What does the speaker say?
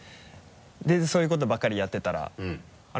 でそういうことばっかりやってたらあれ？